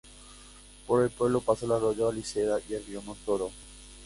Por el pueblo pasa el arroyo Aliseda y el río Montoro.